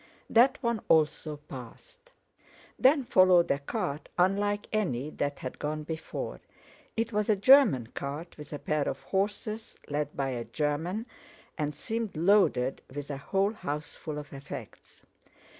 That one also passed. Then followed a cart unlike any that had gone before. It was a German cart with a pair of horses led by a German, and seemed loaded with a whole houseful of effects.